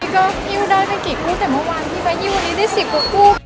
ก็ฮิวได้เป็นกี่กู้แต่เมื่อวานพี่ไปฮิววันนี้ได้๑๐กกู้